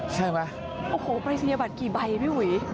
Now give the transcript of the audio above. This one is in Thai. ใช่ไหมโอ้โหปรายศนียบัตรกี่ใบพี่อุ๋ย